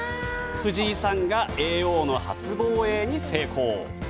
藤井さんが叡王の初防衛に成功。